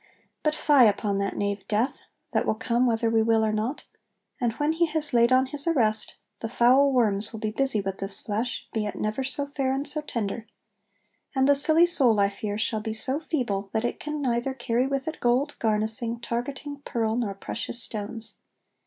But fye upon that knave Death, that will come whether we will or not! And when he has laid on his arrest, the foul worms will be busy with this flesh, be it never so fair and so tender; and the silly soul, I fear, shall be so feeble, that it can neither carry with it gold, garnassing, targetting, pearl, nor precious stones."